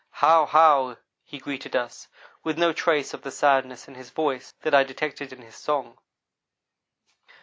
"How! How!" he greeted us, with no trace of the sadness in his voice that I detected in his song.